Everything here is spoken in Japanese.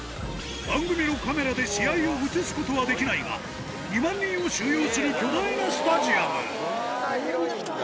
番組のカメラで試合を映すことはできないが、２万人を収容する巨大なスタジアム。